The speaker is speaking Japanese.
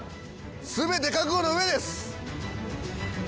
全て覚悟の上です。